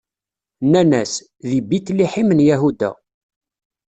Nnan-as: Di Bit-Liḥim n Yahuda.